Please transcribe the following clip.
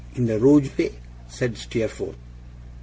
In the rouge way?' said Steerforth.